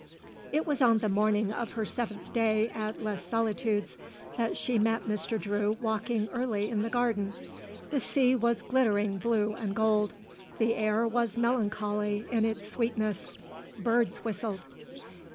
It was on the morning of her seventh day at Les Solitudes that she met Mr. Drew walking early in the garden. The sea was glittering blue and gold; the air was melancholy in its sweetness; birds whistled.